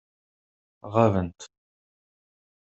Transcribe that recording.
Ɣabent.